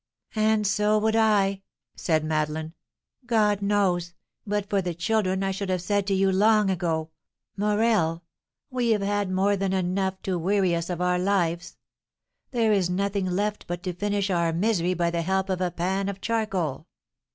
"And so would I," said Madeleine. "God knows, but for the children I should have said to you, long ago, 'Morel, we have had more than enough to weary us of our lives; there is nothing left but to finish our misery by the help of a pan of charcoal!'